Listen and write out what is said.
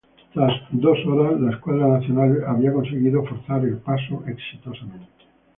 Tras dos horas la escuadra nacional había conseguido forzar el paso exitosamente.